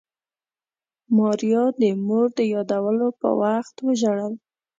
ماريا د مور د يادولو په وخت وژړل.